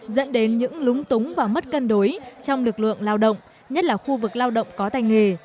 dẫn đến những lúng túng và mất cân đối trong lực lượng lao động nhất là khu vực lao động có tài nghề